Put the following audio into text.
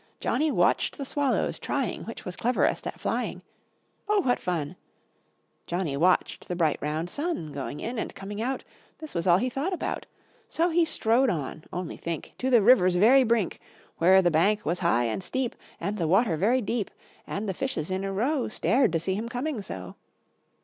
Johnny watched the swallows trying Which was cleverest at flying. Oh! what fun! Johnny watched the bright round sun Going in and coming out; This was all he thought about. So he strode on, only think! To the river's very brink, Where the bank was high and steep, And the water very deep; And the fishes, in a row, Stared to see him coming so.